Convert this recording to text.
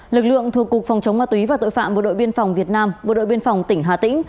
lực lượng thuộc cục phòng chống ma túy và tội phạm bộ đội biên phòng việt nam bộ đội biên phòng tỉnh hà tĩnh